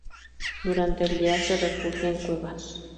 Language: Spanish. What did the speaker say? Durante el día se refugia en cuevas.